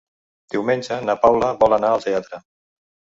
Diumenge na Paula vol anar al teatre.